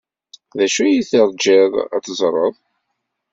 D acu ay teṛjiḍ ad t-teẓreḍ?